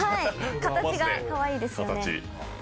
形がかわいいですよね。